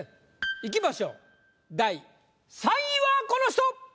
いきましょう第３位はこの人！